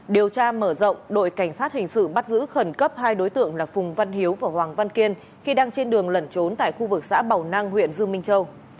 điều tra mở rộng đội cảnh sát hình sự bắt giữ khẩn cấp hai đối tượng là phùng văn hiếu và hoàng văn kiên khi đang trên đường lẩn trốn tại khu vực xã bào nang huyện dương minh châu